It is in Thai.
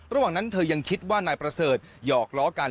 ระหว่างนั้นเธอยังคิดว่านายประเสริฐหยอกล้อกัน